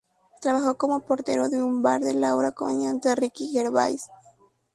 Trabajó como portero￼￼ de un bar del ahora comediante Ricky Gervais.